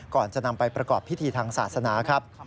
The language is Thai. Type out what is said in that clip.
ก่อนจะนำไปประกอบพิธีทางศาสนาครับ